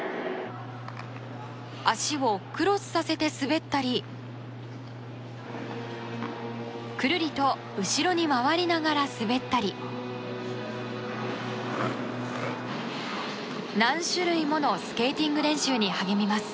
足をクロスさせて滑ったりくるりと後ろに回りながら滑ったり何種類ものスケーティング練習に励みます。